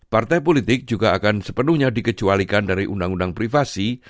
partai politik juga akan sepenuhnya dikecualikan dari undang undang privasi